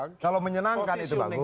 kalau menyenangkan itu bagus